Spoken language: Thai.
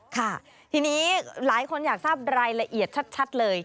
ค่ะทีนี้หลายคนอยากทราบรายละเอียดชัดเลย